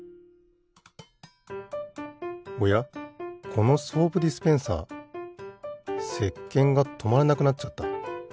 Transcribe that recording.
このソープディスペンサーせっけんがとまらなくなっちゃった。